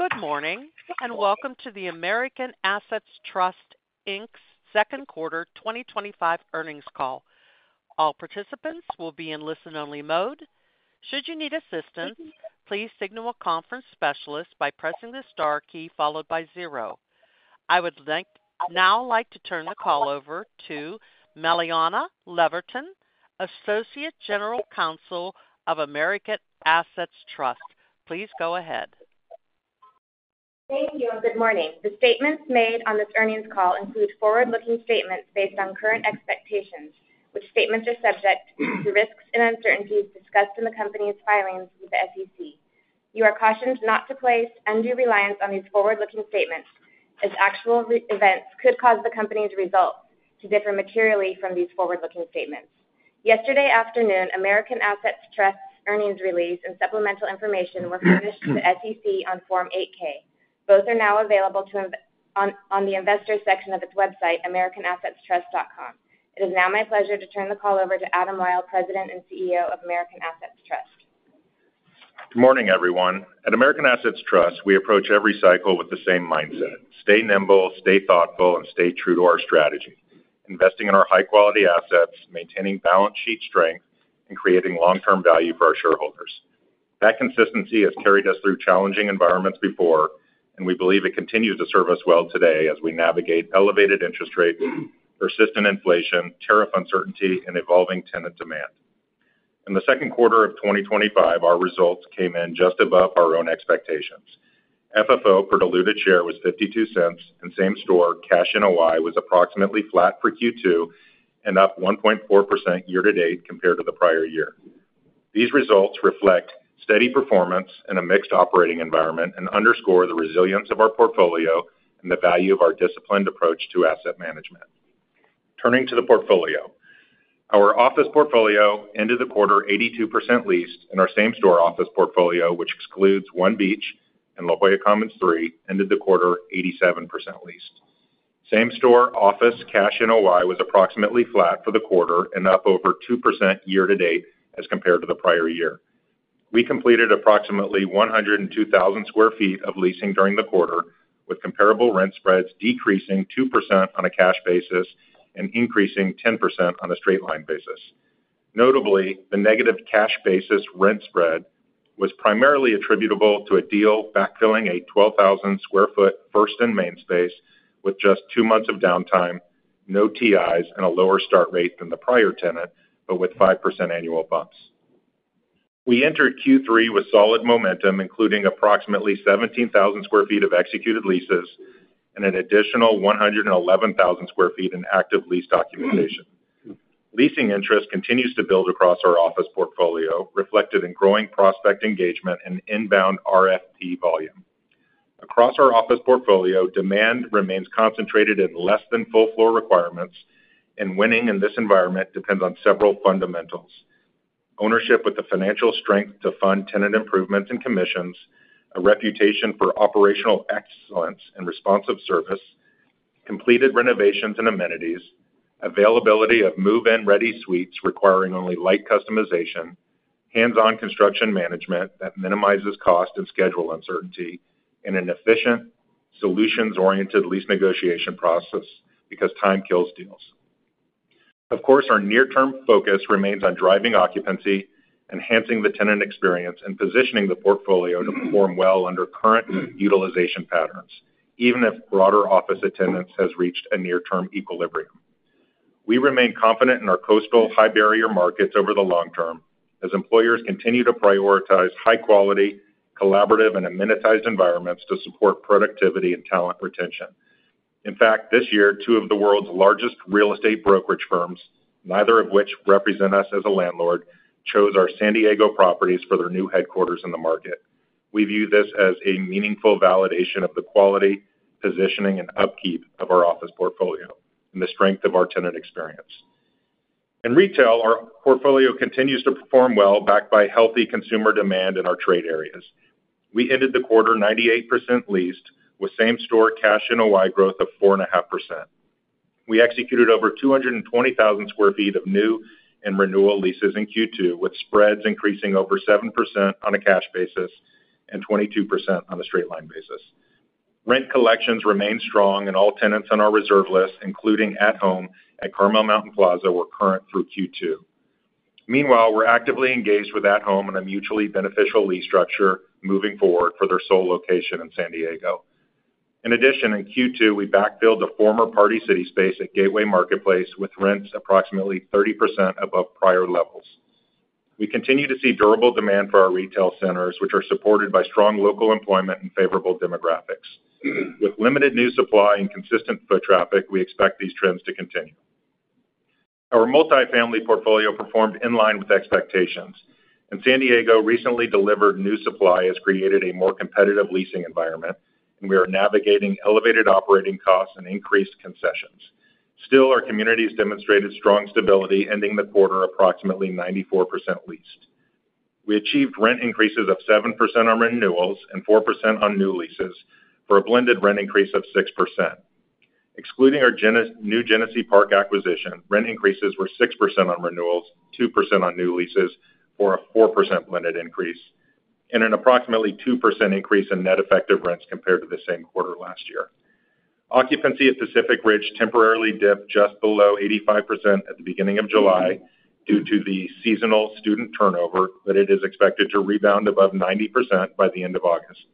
Good morning and welcome to the American Assets Trust, Inc.'s second quarter 2025 earnings call. All participants will be in listen-only mode. Should you need assistance, please signal a conference specialist by pressing the star key followed by zero. I would now like to turn the call over to Meliana Leverton, Associate General Counsel of American Assets Trust. Please go ahead. Thank you and good morning. The statements made on this earnings call include forward-looking statements based on current expectations, which statements are subject to risks and uncertainties discussed in the company's filings with the SEC. You are cautioned not to place undue reliance on these forward-looking statements, as actual events could cause the company's results to differ materially from these forward-looking statements. Yesterday afternoon, American Assets Trust's earnings release and supplemental information were furnished to the SEC on Form 8-K. Both are now available on the investor section of its website, americanassetstrust.com. It is now my pleasure to turn the call over to Adam Wyll, President and CEO of American Assets Trust. Good morning, everyone. At American Assets Trust, we approach every cycle with the same mindset: stay nimble, stay thoughtful, and stay true to our strategy. Investing in our high-quality assets, maintaining balance sheet strength, and creating long-term value for our shareholders. That consistency has carried us through challenging environments before, and we believe it continues to serve us well today as we navigate elevated interest rates, persistent inflation, tariff uncertainty, and evolving tenant demand. In the second quarter of 2025, our results came in just above our own expectations. FFO per diluted share was $0.52, and same-store cash NOI was approximately flat for Q2 and up 1.4% year-to-date compared to the prior year. These results reflect steady performance in a mixed operating environment and underscore the resilience of our portfolio and the value of our disciplined approach to asset management. Turning to the portfolio, our office portfolio ended the quarter 82% leased, and our same-store office portfolio, which excludes One Beach and La Jolla Commons, ended the quarter 87% leased. Same-store office cash NOI was approximately flat for the quarter and up over 2% year-to-date as compared to the prior year. We completed approximately 102,000 sq ft of leasing during the quarter, with comparable rent spreads decreasing 2% on a cash basis and increasing 10% on a straight-line basis. Notably, the negative cash basis rent spread was primarily attributable to a deal backfilling a 12,000 sq ft First and Main space with just two months of downtime, no TIs, and a lower start rate than the prior tenant, but with 5% annual bumps. We entered Q3 with solid momentum, including approximately 17,000 sq ft of executed leases and an additional 111,000 sq ft in active lease documentation. Leasing interest continues to build across our office portfolio, reflected in growing prospect engagement and inbound RFP volume. Across our office portfolio, demand remains concentrated in less than full floor requirements, and winning in this environment depends on several fundamentals: ownership with the financial strength to fund tenant improvements and commissions, a reputation for operational excellence and responsive service, completed renovations and amenities, availability of move-in ready suites requiring only light customization, hands-on construction management that minimizes cost and schedule uncertainty, and an efficient solutions-oriented lease negotiation process because time kills deals. Of course, our near-term focus remains on driving occupancy, enhancing the tenant experience, and positioning the portfolio to perform well under current utilization patterns, even if broader office attendance has reached a near-term equilibrium. We remain confident in our coastal high-barrier markets over the long term as employers continue to prioritize high-quality, collaborative, and amenitized environments to support productivity and talent retention. In fact, this year, two of the world's largest real estate brokerage firms, neither of which represent us as a landlord, chose our San Diego properties for their new headquarters in the market. We view this as a meaningful validation of the quality, positioning, and upkeep of our office portfolio and the strength of our tenant experience. In retail, our portfolio continues to perform well, backed by healthy consumer demand in our trade areas. We ended the quarter 98% leased, with same-store cash NOI growth of 4.5%. We executed over 220,000 sq ft of new and renewal leases in Q2, with spreads increasing over 7% on a cash basis and 22% on a straight line basis. Rent collections remain strong, and all tenants on our reserve list, including At Home at Carmel Mountain Plaza, were current through Q2. Meanwhile, we're actively engaged with At Home on a mutually beneficial lease structure moving forward for their sole location in San Diego. In addition, in Q2, we backfilled a former Party City space at Gateway Marketplace, with rents approximately 30% above prior levels. We continue to see durable demand for our retail centers, which are supported by strong local employment and favorable demographics. With limited new supply and consistent foot traffic, we expect these trends to continue. Our multifamily portfolio performed in line with expectations, and San Diego recently delivered new supply which has created a more competitive leasing environment, and we are navigating elevated operating costs and increased concessions. Still, our communities demonstrated strong stability, ending the quarter approximately 94% leased. We achieved rent increases of 7% on renewals and 4% on new leases, for a blended rent increase of 6%. Excluding our new Genesee Park acquisition, rent increases were 6% on renewals, 2% on new leases, for a 4% blended increase, and an approximately 2% increase in net effective rents compared to the same quarter last year. Occupancy at Pacific Ridge temporarily dipped just below 85% at the beginning of July due to the seasonal student turnover, but it is expected to rebound above 90% by the end of August.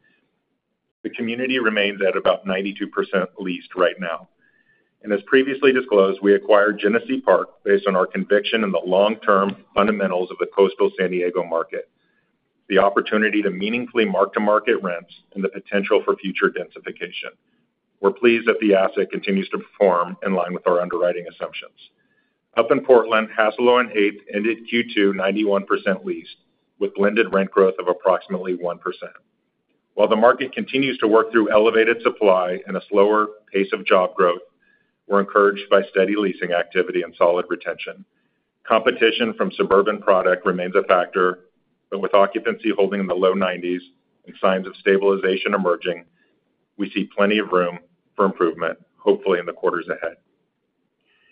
The community remains at about 92% leased right now. As previously disclosed, we acquired Genesee Park based on our conviction in the long-term fundamentals of the coastal San Diego market, the opportunity to meaningfully mark the market rents, and the potential for future densification. We're pleased that the asset continues to perform in line with our underwriting assumptions. Up in Portland, Hassalo on Eighth ended Q2 91% leased, with blended rent growth of approximately 1%. While the market continues to work through elevated supply and a slower pace of job growth, we're encouraged by steady leasing activity and solid retention. Competition from suburban product remains a factor, but with occupancy holding in the low 90s and signs of stabilization emerging, we see plenty of room for improvement, hopefully in the quarters ahead.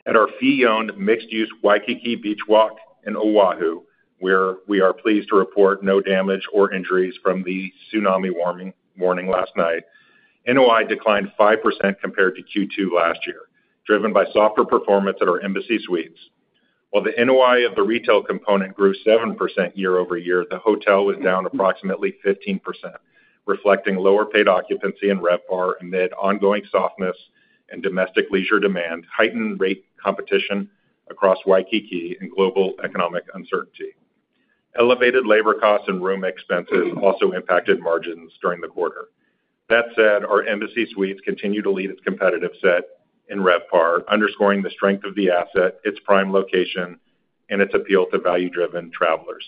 At our fee-owned mixed-use Waikiki Beach Walk in Oahu, where we are pleased to report no damage or injuries from the tsunami warning last night, NOI declined 5% compared to Q2 last year, driven by softer performance at our Embassy Suites. While the NOI of the retail component grew 7% year-over-year, the hotel was down approximately 15%, reflecting lower paid occupancy and RevPAR amid ongoing softness in domestic leisure demand, heightened rate competition across Waikiki, and global economic uncertainty. Elevated labor costs and room expenses also impacted margins during the quarter. That said, our Embassy Suites continues to lead its competitive set in RevPAR, underscoring the strength of the asset, its prime location, and its appeal to value-driven travelers.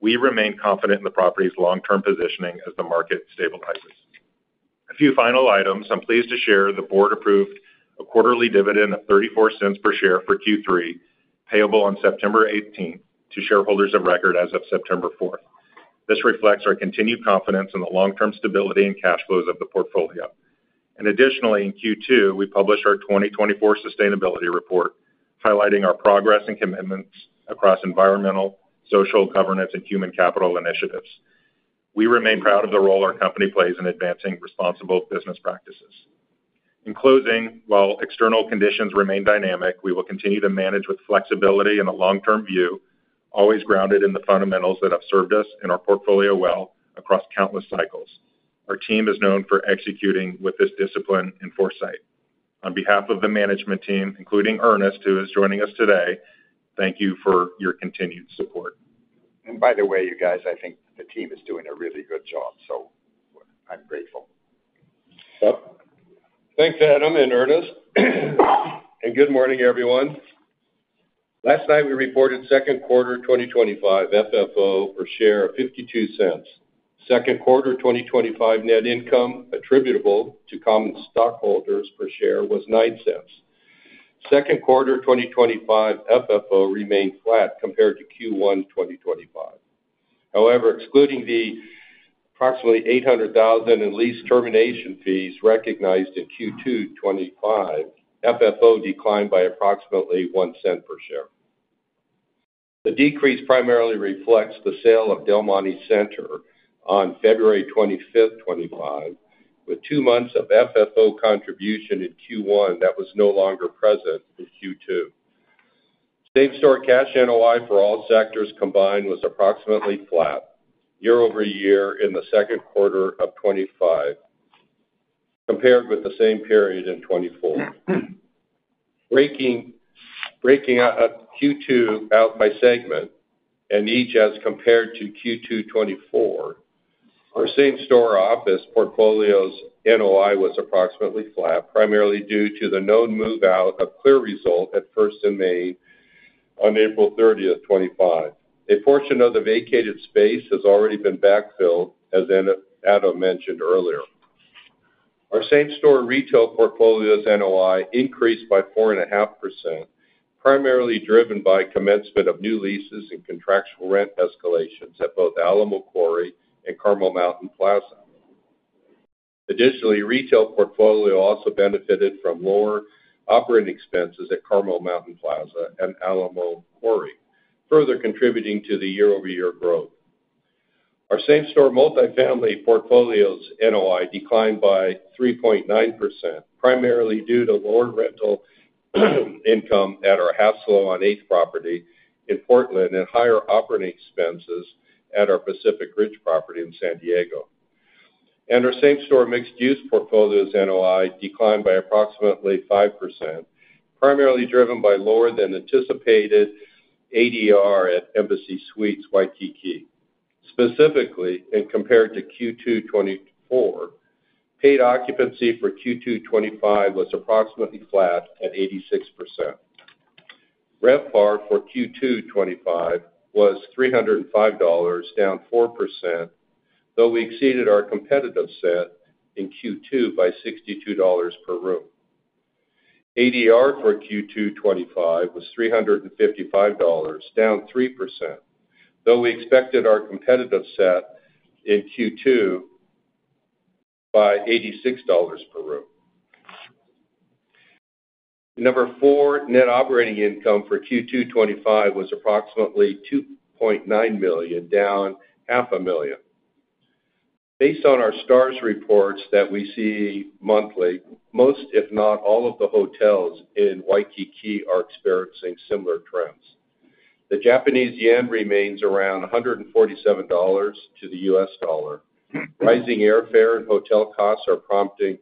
We remain confident in the property's long-term positioning as the market stabilizes. A few final items. I'm pleased to share the Board approved a quarterly dividend of $0.34 per share for Q3, payable on September 18 to shareholders of record as of September 4. This reflects our continued confidence in the long-term stability and cash flows of the portfolio. Additionally, in Q2, we published our 2024 sustainability report, highlighting our progress and commitments across environmental, social, governance, and human capital initiatives. We remain proud of the role our company plays in advancing responsible business practices. In closing, while external conditions remain dynamic, we will continue to manage with flexibility and the long-term view, always grounded in the fundamentals that have served us and our portfolio well across countless cycles. Our team is known for executing with this discipline and foresight. On behalf of the management team, including Ernest, who is joining us today, thank you for your continued support. By the way, you guys, I think the team is doing a really good job, so I'm grateful. Thanks, Adam, and Ernest. Good morning, everyone. Last night, we reported second quarter 2025 FFO per share of $0.52. Second quarter 2025 net income attributable to common stockholders per share was $0.09. Second quarter 2025 FFO remained flat compared to Q1 2025. However, excluding the approximately $800,000 in lease termination fees recognized in Q2 2025, FFO declined by approximately $0.01 per share. The decrease primarily reflects the sale of Del Monte Center on February 25, 2025, with two months of FFO contribution in Q1 that was no longer present in Q2. Same-store cash NOI for all sectors combined was approximately flat year-over-year in the second quarter of 2025, compared with the same period in 2024. Breaking Q2 out by segment and EGES compared to Q2 2024, for same-store office portfolios, NOI was approximately flat, primarily due to the known move-out of Clear Results at First and Main on April 30, 2025. A portion of the vacated space has already been backfilled, as Adam mentioned earlier. Our same-store retail portfolio's NOI increased by 4.5%, primarily driven by commencement of new leases and contractual rent escalations at both Alamo Quarry and Carmel Mountain Plaza. Additionally, the retail portfolio also benefited from lower operating expenses at Carmel Mountain Plaza and Alamo Quarry, further contributing to the year-over-year growth. Our same-store multifamily portfolio's NOI declined by 3.9%, primarily due to lower rental income at our Hassalo on Eighth property in Portland and higher operating expenses at our Pacific Ridge property in San Diego. Our same-store mixed-use portfolio's NOI declined by approximately 5%, primarily driven by lower than anticipated ADR at Embassy Suites Waikiki. Specifically, compared to Q2 2024, paid occupancy for Q2 2025 was approximately flat at 86%. RevPAR for Q2 2025 was $305, down 4%, though we exceeded our competitive set in Q2 by $62 per room. ADR for Q2 2025 was $355, down 3%, though we exceeded our competitive set in Q2 by $86 per room. Net operating income for Q2 2025 was approximately $2.9 million, down $500,000. Based on our star reports that we see monthly, most, if not all, of the hotels in Waikiki are experiencing similar trends. The Japanese yen remains around $147 to the US dollar. Rising airfare and hotel costs are prompting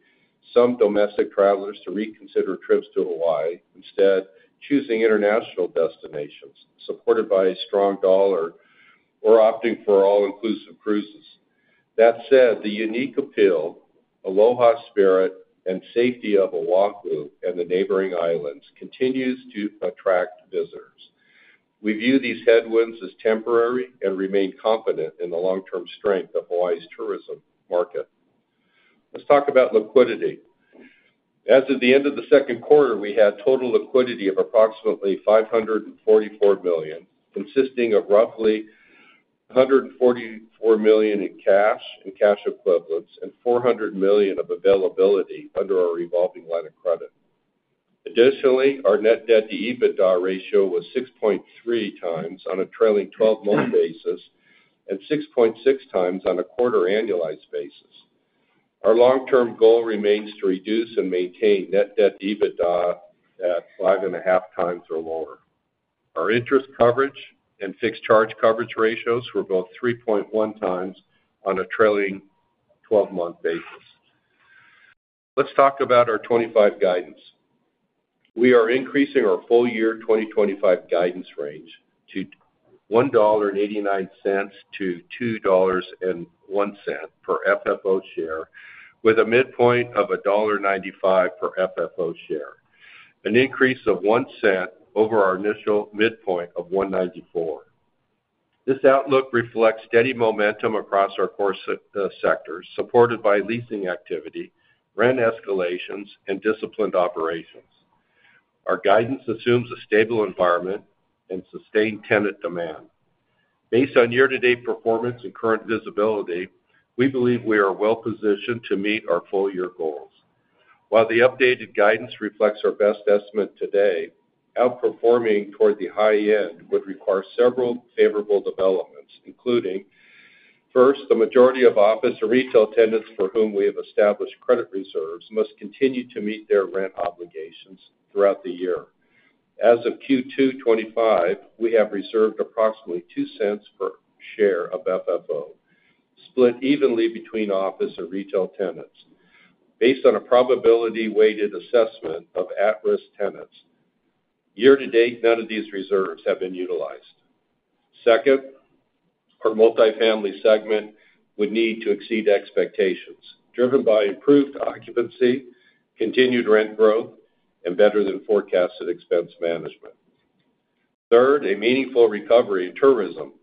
some domestic travelers to reconsider trips to Hawaii, instead choosing international destinations, supported by a strong dollar or opting for all-inclusive cruises. That said, the unique appeal, Aloha spirit, and safety of Oahu and the neighboring islands continue to attract visitors. We view these headwinds as temporary and remain confident in the long-term strength of Hawaii's tourism market. Let's talk about liquidity. As of the end of the second quarter, we had total liquidity of approximately $544 million, consisting of roughly $144 million in cash and cash equivalents and $400 million of availability under our revolving line of credit. Additionally, our net debt to EBITDA ratio was 6.3x on a trailing 12-month basis and 6.6x on a quarter annualized basis. Our long-term goal remains to reduce and maintain net debt to EBITDA at 5.5x or lower. Our interest coverage and fixed charge coverage ratios were both 3.1x on a trailing 12-month basis. Let's talk about our 2025 guidance. We are increasing our full-year 2025 guidance range to $1.89-$2.01 per FFO share, with a midpoint of $1.95 per FFO share, an increase of $0.01 over our initial midpoint of $1.94. This outlook reflects steady momentum across our core sectors, supported by leasing activity, rent escalations, and disciplined operations. Our guidance assumes a stable environment and sustained tenant demand. Based on year-to-date performance and current visibility, we believe we are well positioned to meet our full-year goals. While the updated guidance reflects our best estimate today, outperforming toward the high end would require several favorable developments, including, first, the majority of office and retail tenants for whom we have established credit reserves must continue to meet their rent obligations throughout the year. As of Q2 2025, we have reserved approximately $0.02 per share of FFO, split evenly between office and retail tenants. Based on a probability-weighted assessment of at-risk tenants, year-to-date, none of these reserves have been utilized. Second, our multifamily segment would need to exceed expectations, driven by improved occupancy, continued rent growth, and better than forecasted expense management. Third, a meaningful recovery in tourism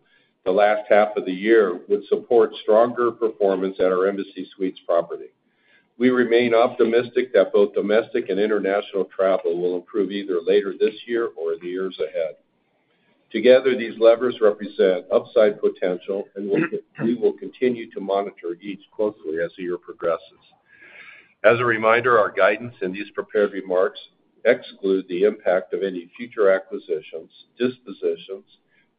the last half of the year would support stronger performance at our Embassy Suites property. We remain optimistic that both domestic and international travel will improve either later this year or in the years ahead. Together, these levers represent upside potential, and we will continue to monitor each closely as the year progresses. As a reminder, our guidance and these prepared remarks exclude the impact of any future acquisitions, dispositions,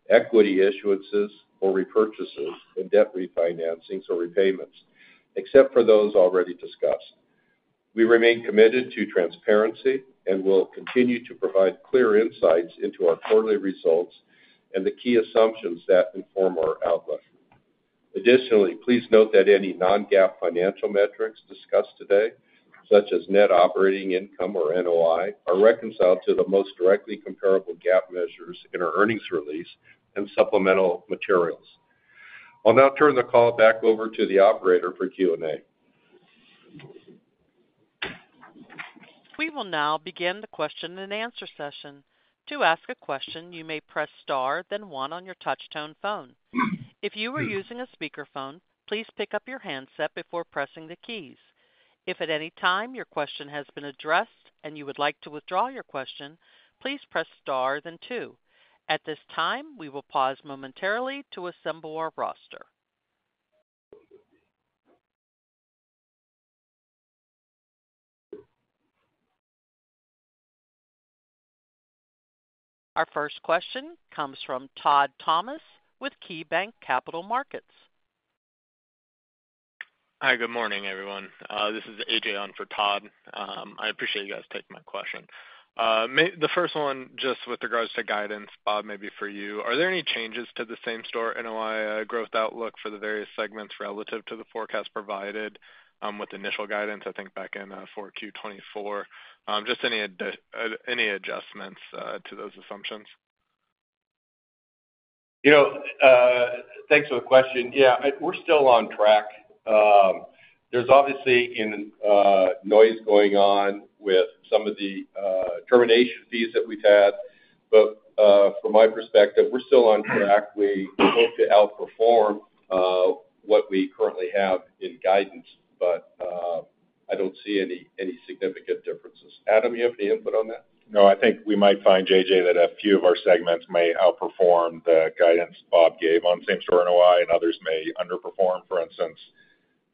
equity issuances, or repurchases and debt refinancings or repayments, except for those already discussed. We remain committed to transparency and will continue to provide clear insights into our quarterly results and the key assumptions that inform our outlook. Additionally, please note that any non-GAAP financial metrics discussed today, such as net operating income or NOI, are reconciled to the most directly comparable GAAP measures in our earnings release and supplemental materials. I'll now turn the call back over to the operator for Q&A. We will now begin the question and answer session. To ask a question, you may press star, then one on your touch-tone phone. If you are using a speakerphone, please pick up your handset before pressing the keys. If at any time your question has been addressed and you would like to withdraw your question, please press star, then two. At this time, we will pause momentarily to assemble our roster. Our first question comes from Todd Thomas with KeyBanc Capital Markets. Hi, good morning, everyone. This is AJ on for Todd. I appreciate you guys taking my question. The first one, just with regards to guidance, Bob, maybe for you. Are there any changes to the same-store NOI growth outlook for the various segments relative to the forecast provided with initial guidance, I think back in for Q2 2024, just any adjustments to those assumptions? Thanks for the question. Yeah, we're still on track. There's obviously noise going on with some of the termination fees that we've had, but from my perspective, we're still on track. We hope to outperform what we currently have in guidance, but I don't see any significant differences. Adam, do you have any input on that? No, I think we might find, AJ, that a few of our segments may outperform the guidance Bob gave on same-store NOI, and others may underperform. For instance,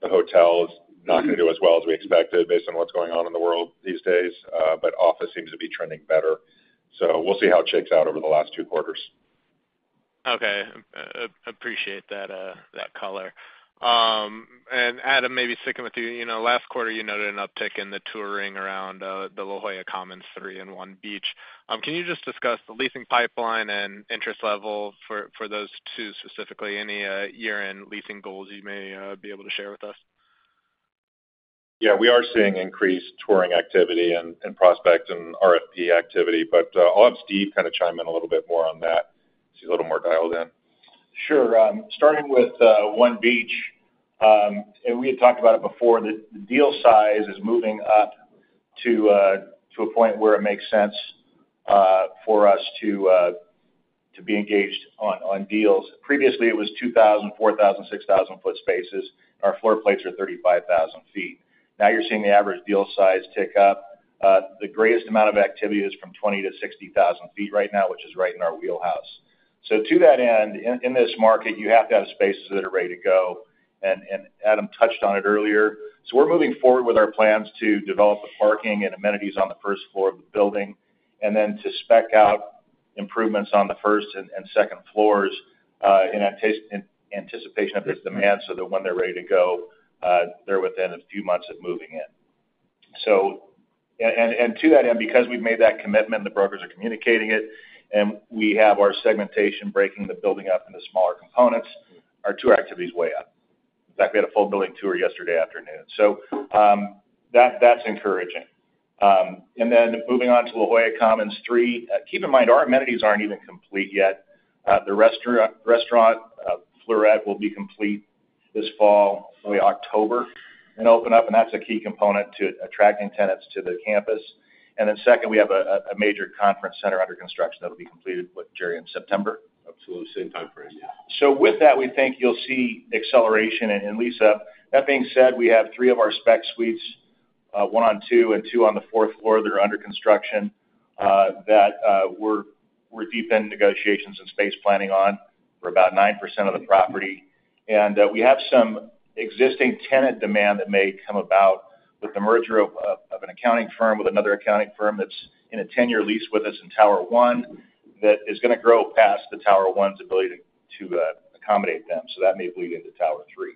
the hotel is not going to do as well as we expected based on what's going on in the world these days, but office seems to be trending better. We'll see how it shakes out over the last two quarters. Okay, I appreciate that color. Adam, maybe sticking with you, last quarter you noted an uptick in the touring around the La Jolla Commons, three and One Beach. Can you just discuss the leasing pipeline and interest level for those two specifically? Any year-end leasing goals you may be able to share with us? Yeah, we are seeing increased touring activity and prospects and RFP activity. I'll have Steve kind of chime in a little bit more on that. He's a little more dialed in. Sure. Starting with One Beach, and we had talked about it before, the deal size is moving up to a point where it makes sense for us to be engaged on deals. Previously, it was 2,000 ft, 4,000 ft, 6,000 ft spaces. Our floor plates are 35,000 ft. Now you're seeing the average deal size tick up. The greatest amount of activity is from 20,000 ft-60,000 ft right now, which is right in our wheelhouse. In this market, you have to have spaces that are ready to go, and Adam touched on it earlier. We're moving forward with our plans to develop the parking and amenities on the first floor of the building, and then to spec out improvements on the first and second floors in anticipation of this demand so that when they're ready to go, they're within a few months of moving in. Because we've made that commitment, the brokers are communicating it, and we have our segmentation breaking the building up into smaller components, our tour activities are way up. In fact, we had a full building tour yesterday afternoon. That's encouraging. Moving on to La Jolla Commons 3, keep in mind our amenities aren't even complete yet. The restaurant, Fleurette, will be complete this fall, probably October, and open up, and that's a key component to attracting tenants to the campus. Second, we have a major conference center under construction that'll be completed with Jerry in September. Absolutely. Outbreak, yeah. With that, we think you'll see acceleration in lease. That being said, we have three of our spec suites, one on two and two on the fourth floor that are under construction that we're deep in negotiations and space planning on for about 9% of the property. We have some existing tenant demand that may come about with the merger of an accounting firm with another accounting firm that's in a 10-year lease with us in Tower 1 that is going to grow past Tower 1's ability to accommodate them. That may bleed into Tower 3.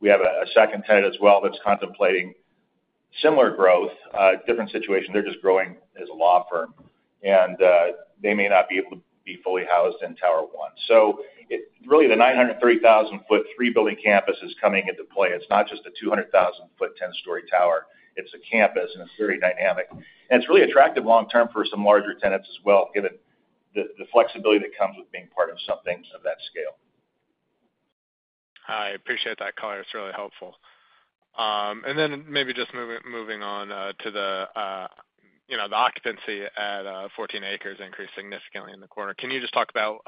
We have a second tenant as well that's contemplating similar growth, different situation. They're just growing as a law firm, and they may not be able to be fully housed in Tower 1. Really, the 930,000 ft three-building campus is coming into play. It's not just a 200,000 ft 10-story tower. It's a campus, and it's very dynamic. It's really attractive long term for some larger tenants as well, given the flexibility that comes with being part of something of that scale. I appreciate that color. It's really helpful. Maybe just moving on to the occupancy at 14ACRES increased significantly in the quarter. Can you just talk about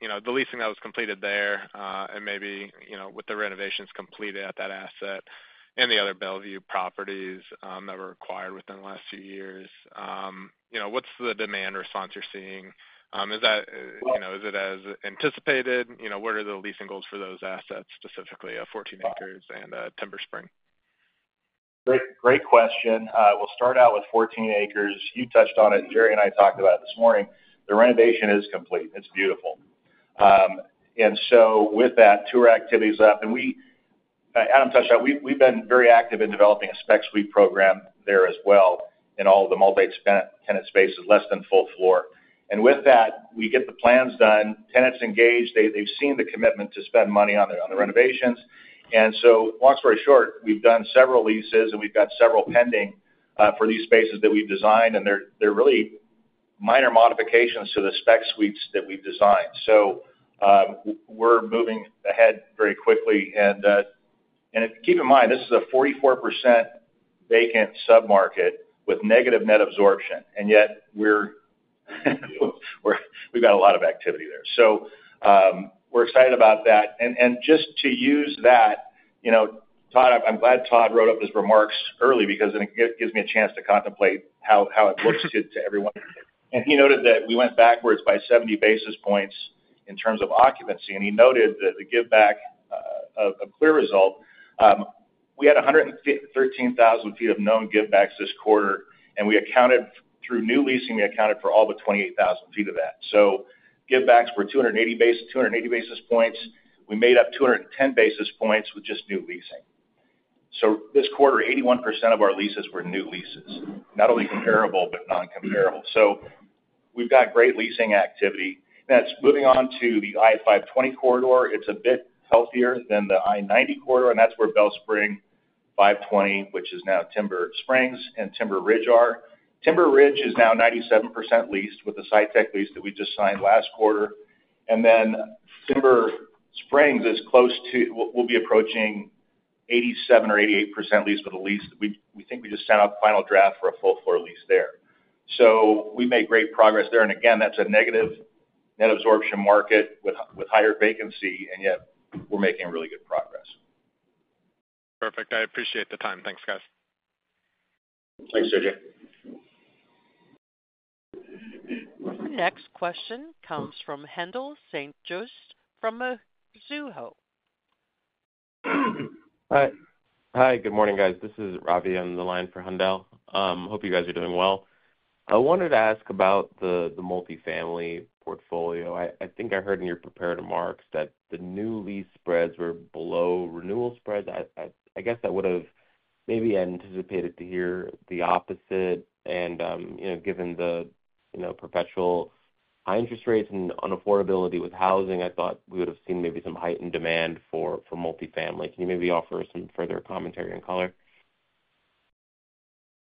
the leasing that was completed there and maybe with the renovations completed at that asset and the other Bellevue properties that were acquired within the last few years? What's the demand response you're seeing? Is it as anticipated? What are the leasing goals for those assets specifically, 14ACRES and Timber Springs? Great, great question. We'll start out with 14ACRES. You touched on it. Jerry and I talked about it this morning. The renovation is complete. It's beautiful. With that, tour activity is up, and Adam touched on it, we've been very active in developing a spec suite program there as well in all of the multi-tenant spaces, less than full floor. With that, we get the plans done. Tenants engaged. They've seen the commitment to spend money on the renovations. Long story short, we've done several leases, and we've got several pending for these spaces that we've designed, and they're really minor modifications to the spec suites that we've designed. We're moving ahead very quickly. Keep in mind, this is a 44% vacant submarket with negative net absorption, yet we've got a lot of activity there. We're excited about that. Just to use that, you know, Todd, I'm glad Todd wrote up his remarks early because it gives me a chance to contemplate how it looks to everyone. He noted that we went backwards by 70 basis points in terms of occupancy, and he noted that the giveback of Clear Results, we had 113,000 ft of known givebacks this quarter, and we accounted through new leasing, we accounted for all the 28,000 feet of that. Givebacks were 280 basis points. We made up 210 basis points with just new leasing. This quarter, 81% of our leases were new leases, not only comparable but non-comparable. We've got great leasing activity. Now, moving on to the I-520 corridor. It's a bit healthier than the I-90 corridor, and that's where Bell Spring 520, which is now Timber Springs and Timber Ridge, are. Timber Ridge is now 97% leased with the Sitech lease that we just signed last quarter. Timber Springs is close to, we'll be approaching 87% or 88% leased with a lease that we think we just sent out the final draft for a full-floor lease there. We made great progress there. Again, that's a negative net absorption market with higher vacancy, yet we're making really good progress. Perfect. I appreciate the time. Thanks, guys. Thanks, AJ. Our next question comes from Haendel St. Juste from Mizuho. Hi, good morning, guys. This is Ravi on the line for Haendel. Hope you guys are doing well. I wanted to ask about the multifamily portfolio. I think I heard in your prepared remarks that the new lease spreads were below renewal spreads. I guess I would have maybe anticipated to hear the opposite. Given the perpetual high interest rates and unaffordability with housing, I thought we would have seen maybe some heightened demand for multifamily. Can you maybe offer some further commentary and color?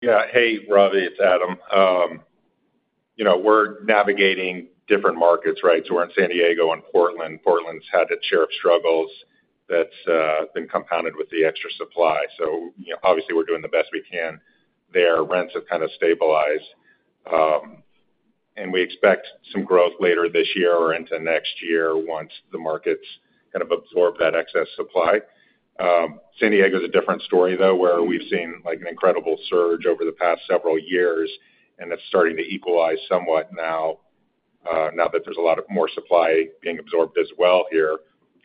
Yeah. Hey, Ravi, it's Adam. You know, we're navigating different markets, right? We're in San Diego, in Portland. Portland's had its share of struggles that's been compounded with the extra supply. Obviously, we're doing the best we can. Their rents have kind of stabilized, and we expect some growth later this year or into next year once the markets kind of absorb that excess supply. San Diego is a different story, though, where we've seen like an incredible surge over the past several years, and it's starting to equalize somewhat now, now that there's a lot more supply being absorbed as well here.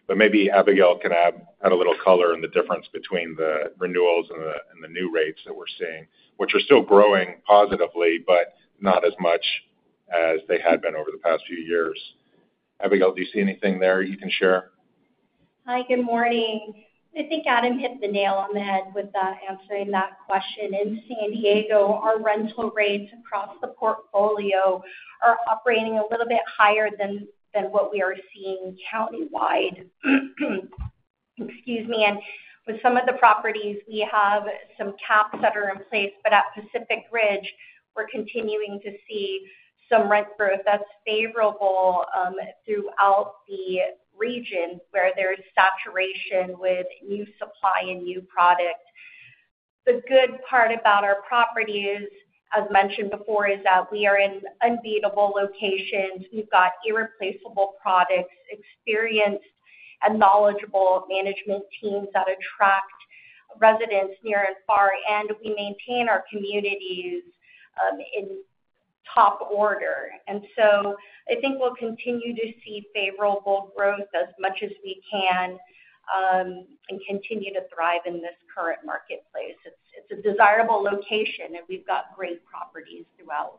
Maybe Abigail can add a little color in the difference between the renewals and the new rates that we're seeing, which are still growing positively, but not as much as they had been over the past few years. Abigail, do you see anything there you can share? Hi, good morning. I think Adam hit the nail on the head with answering that question. In San Diego, our rental rates across the portfolio are operating a little bit higher than what we are seeing countywide. With some of the properties, we have some caps that are in place, but at Pacific Ridge, we're continuing to see some rent growth that's favorable throughout the region where there's saturation with new supply and new product. The good part about our properties, as mentioned before, is that we are in unbeatable locations. We've got irreplaceable products, experienced and knowledgeable management teams that attract residents near and far, and we maintain our communities in top order. I think we'll continue to see favorable growth as much as we can and continue to thrive in this current marketplace. It's a desirable location, and we've got great properties throughout.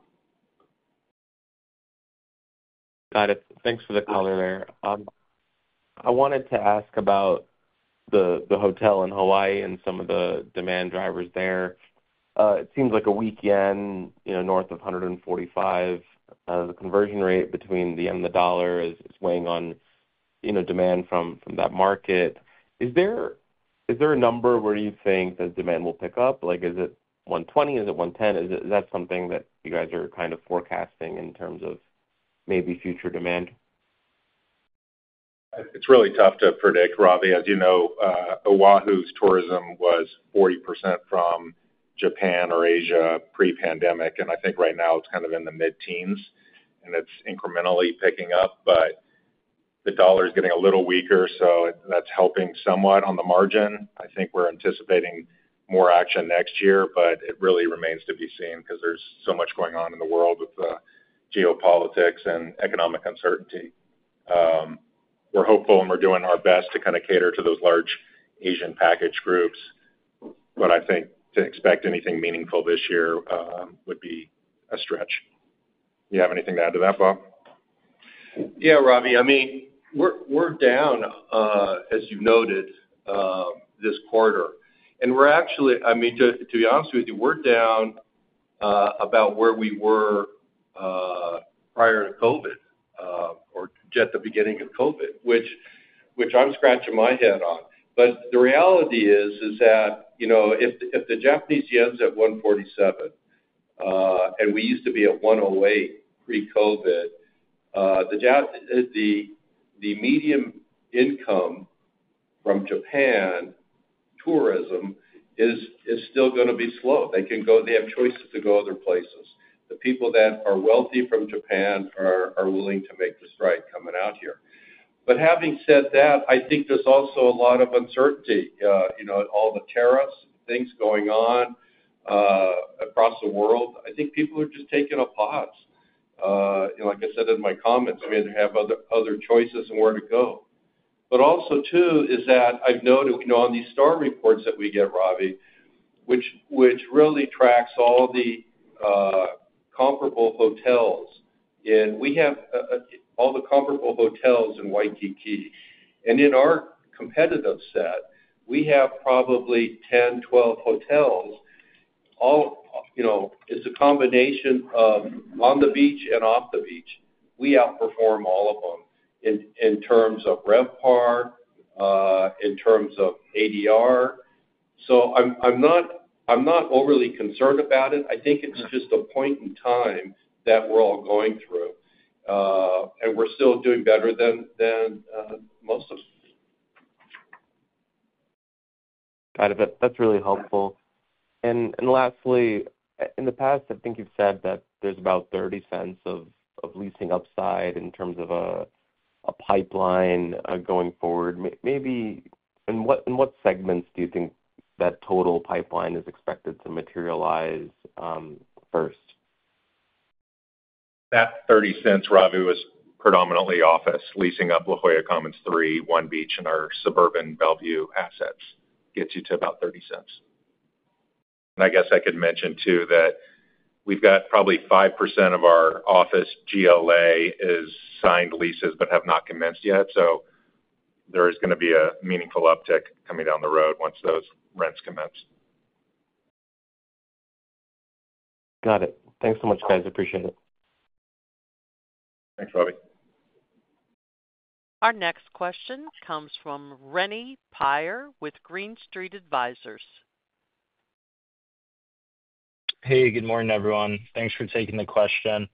Got it. Thanks for the color there. I wanted to ask about the hotel in Hawaii and some of the demand drivers there. It seems like a weekend, you know, north of $145. The conversion rate between the yen and the dollar is weighing on, you know, demand from that market. Is there a number where you think the demand will pick up? Like, is it $120? Is it $110? Is that something that you guys are kind of forecasting in terms of maybe future demand? It's really tough to predict, Ravi. As you know, Oahu's tourism was 40% from Japan or Asia pre-pandemic, and I think right now it's kind of in the mid-teens, and it's incrementally picking up, but the dollar is getting a little weaker, so that's helping somewhat on the margin. I think we're anticipating more action next year, but it really remains to be seen because there's so much going on in the world with the geopolitics and economic uncertainty. We're hopeful, and we're doing our best to kind of cater to those large Asian package groups, but I think to expect anything meaningful this year would be a stretch. Do you have anything to add to that, Bob? Yeah, Ravi. I mean, we're down, as you've noted, this quarter. We're actually, to be honest with you, down about where we were prior to COVID or at the beginning of COVID, which I'm scratching my head on. The reality is that, you know, if the Japanese yen's at 147, and we used to be at 108 pre-COVID, the median income from Japan tourism is still going to be slow. They can go, they have choices to go other places. The people that are wealthy from Japan are willing to make the stride coming out here. Having said that, I think there's also a lot of uncertainty. You know, all the tariffs, things going on across the world, I think people are just taking a pause. Like I said in my comments, we had to have other choices and where to go. Also, I've noted, you know, on these star reports that we get, Ravi, which really tracks all the comparable hotels. We have all the comparable hotels in Waikiki. In our competitive set, we have probably 10, 12 hotels. It's a combination of on the beach and off the beach. We outperform all of them in terms of RevPAR, in terms of ADR. I'm not overly concerned about it. I think it's just a point in time that we're all going through, and we're still doing better than most of them. Got it. That's really helpful. Lastly, in the past, I think you've said that there's about $0.30 of leasing upside in terms of a pipeline going forward. Maybe, in what segments do you think that total pipeline is expected to materialize first? That $0.30, Ravi, was predominantly office leasing up La Jolla Commons 3, One Beach, and our suburban Bellevue assets gets you to about $0.30. I guess I could mention too that we've got probably 5% of our office GLA is signed leases but have not commenced yet. There is going to be a meaningful uptick coming down the road once those rents commence. Got it. Thanks so much, guys. I appreciate it. Thanks, Ravi. Our next question comes from Reny Pire with Green Street Advisors. Hey, good morning, everyone. Thanks for taking the question.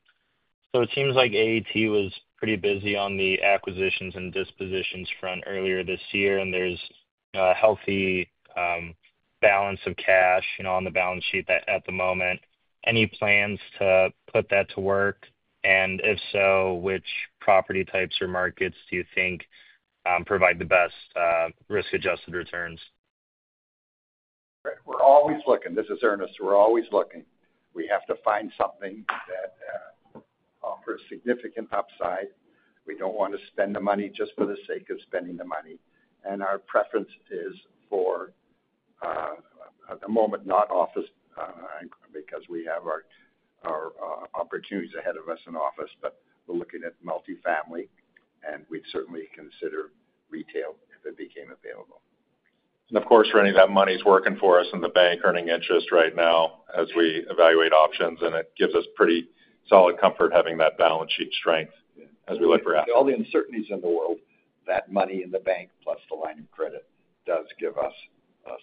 It seems like American Assets Trust was pretty busy on the acquisitions and dispositions front earlier this year, and there's a healthy balance of cash on the balance sheet at the moment. Any plans to put that to work? If so, which property types or markets do you think provide the best risk-adjusted returns? Right. We're always looking. This is Ernest. We're always looking. We have to find something that offers significant upside. We don't want to spend the money just for the sake of spending the money. Our preference is for, at the moment, not office, because we have our opportunities ahead of us in office. We're looking at multifamily, and we'd certainly consider retail if it became available. Of course, Reny, that money is working for us in the bank, earning interest right now as we evaluate options, and it gives us pretty solid comfort having that balance sheet strength as we look for assets. With all the uncertainties in the world, that money in the bank plus the line of credit does give us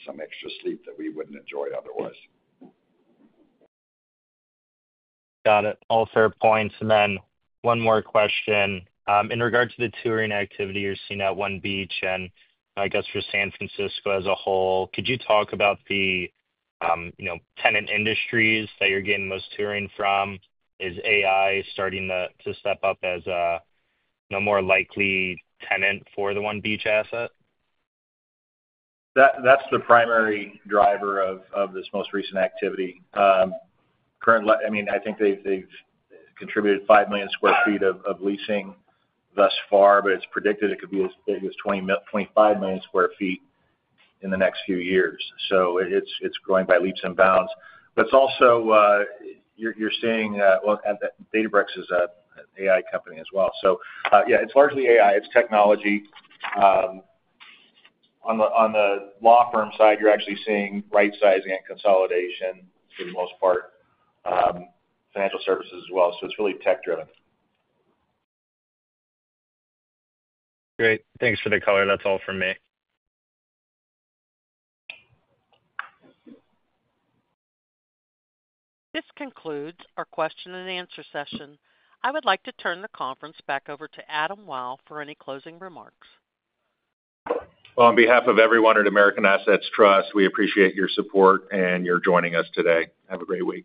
some extra sleep that we wouldn't enjoy otherwise. Got it. All fair points. One more question. In regards to the touring activity you're seeing at One Beach and I guess for San Francisco as a whole, could you talk about the tenant industries that you're getting most touring from? Is AI starting to step up as a more likely tenant for the One Beach asset? That's the primary driver of this most recent activity. Currently, I mean, I think they've contributed 5 million sq ft of leasing thus far, but it's predicted it could be as big as 25 million sq ft in the next few years. It's going by leaps and bounds. You're seeing, Databricks is an AI company as well. It's largely AI. It's technology. On the law firm side, you're actually seeing rightsizing and consolidation for the most part, financial services as well. It's really tech-driven. Great. Thanks for the color. That's all for me. This concludes our question and answer session. I would like to turn the conference back over to Adam Wyll for any closing remarks. On behalf of everyone at American Assets Trust, we appreciate your support and your joining us today. Have a great week.